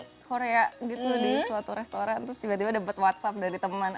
di korea gitu di suatu restoran terus tiba tiba dapet whatsapp dari teman